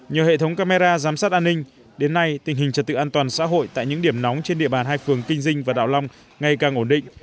nhờ hệ thống camera giám sát an ninh đến nay tình hình trật tự an toàn xã hội tại những điểm nóng trên địa bàn hai phường kinh dinh và đảo long ngày càng ổn định